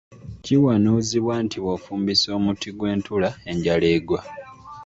Kiwanuuzibwa nti bw'ofumbisa omuti gw'entula enjala egwa.